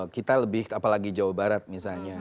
kita lebih apalagi jawa barat misalnya